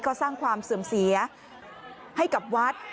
ก็สร้างความเสื่อมเสียให้กับวัด